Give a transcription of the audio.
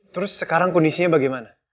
terus sekarang kondisinya bagaimana